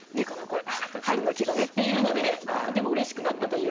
春の季語ねっていうのでとてもうれしくなったという。